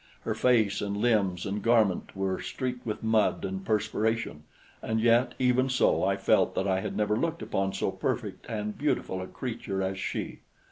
Her face and limbs and garment were streaked with mud and perspiration, and yet even so, I felt that I had never looked upon so perfect and beautiful a creature as she.